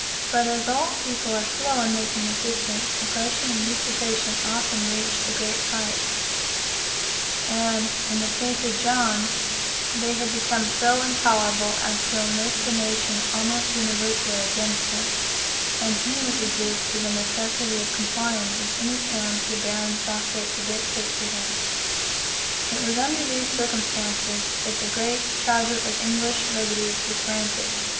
But as all people are slow in making resistance, oppression and usurpation often reached a great height; and, in the case of John, they had become so intolerable as to enlist the nation almost universally against him; and he was reduced to the necessity of complying with any terms the barons saw fit to dictate to him. It was under these circumstances, that the Great Charter of Englsh Liberties was granted.